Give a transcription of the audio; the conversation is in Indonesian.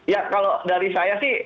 ya kalau dari saya sih